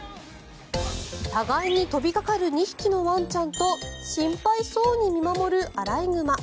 互いに飛びかかる２匹のワンちゃんと心配そうに見守るアライグマ。